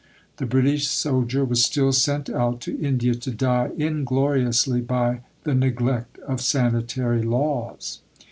The British soldier was still sent out to India to die ingloriously by the neglect of sanitary laws.